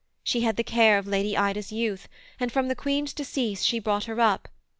She had the care of Lady Ida's youth, And from the Queen's decease she brought her up.